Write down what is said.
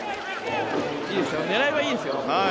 狙いはいいですよ。